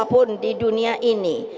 apapun di dunia ini